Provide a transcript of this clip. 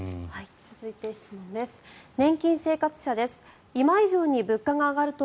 続いて、質問です。